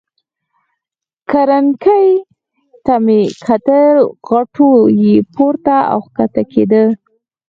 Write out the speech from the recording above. کرنکې ته مې کتل، غوټو یې پورته او کښته کېده.